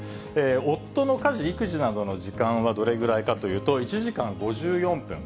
夫の家事・育児などの時間はどれぐらいかというと、１時間５４分。